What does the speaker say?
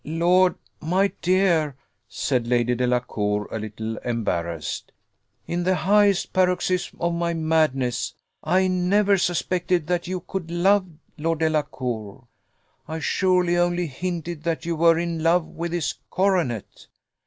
"Lord! my dear," said Lady Delacour, a little embarrassed, "in the highest paroxysm of my madness, I never suspected that you could love Lord Delacour; I surely only hinted that you were in love with his coronet.